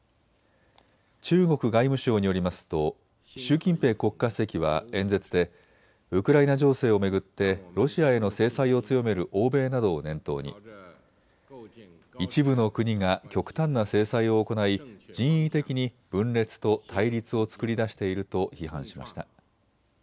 中国外務省によりますと習近平国家主席は演説でウクライナ情勢を巡ってロシアへの制裁を強める欧米などを念頭に一部の国が極端な制裁を行い人為的に分裂と対立を作り出していると批判しました。